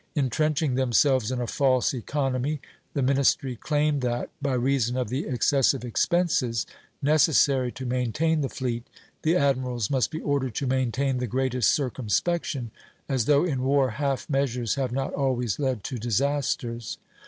Intrenching themselves in a false economy, the ministry claimed that, by reason of the excessive expenses necessary to maintain the fleet, the admirals must be ordered to maintain the 'greatest circumspection,' as though in war half measures have not always led to disasters.